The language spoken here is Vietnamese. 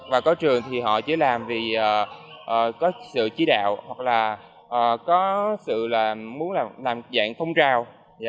và có trường thì họ chỉ làm vì có sự chỉ đạo hoặc là có sự là muốn làm dạng thông trao